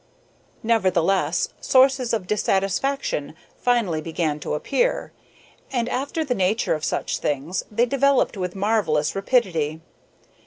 Nevertheless, sources of dissatisfaction finally began to appear, and, after the nature of such things, they developed with marvellous rapidity.